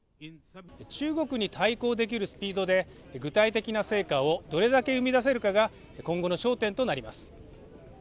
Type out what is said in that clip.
中国に対抗できるスピードで具体的な成果をどれだけ生み出せるかが今後の焦点となります。